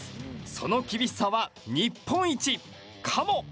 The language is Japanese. その厳しさは、日本一！かも。